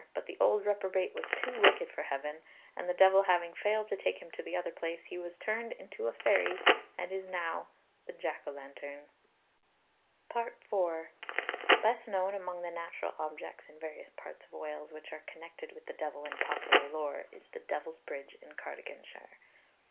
But the old reprobate was too wicked for heaven, and the devil having failed to take him to the other place, he was turned into a fairy, and is now the jack o' lantern. FOOTNOTE: 'Cymru Fu,' 355 et seq. IV. Best known among the natural objects in various parts of Wales which are connected with the devil in popular lore, is the Devil's Bridge, in Cardiganshire.